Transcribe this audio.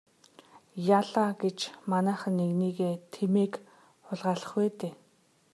Яалаа гэж манайхан нэгнийхээ тэмээг хулгайлах вэ дээ.